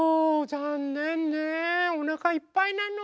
ざんねんねおなかいっぱいなの？